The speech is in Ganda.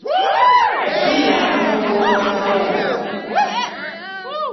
Labirira amannyo g'omwana wo.